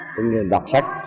cũng như đọc sách